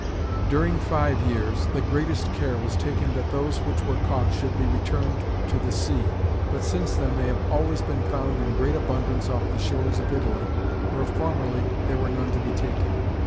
Diuicg fire year?, the greatest care •was taken that those which were caught should be returned to the sea ; but since then they hare been always found in great abundance off the shores of Italy, where formerly there were none to be taken.